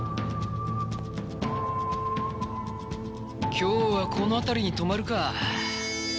今日はこの辺りに泊まるか。